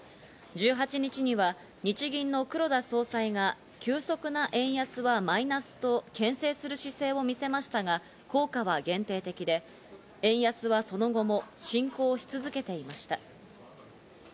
１８日には日銀の黒田総裁が急速な円安はマイナスとけん制する姿勢を見せましたが、効果は限定的で、円安はその後も進行し続けていました。